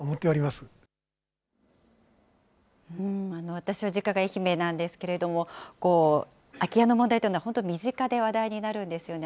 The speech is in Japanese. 私は実家が愛媛なんですけれども、空き家の問題というのは、本当身近で話題になるんですよね。